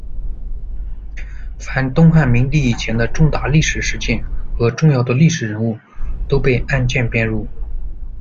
凡东汉明帝以前的重大历史事件和重要的历史人物，都被按鉴编入。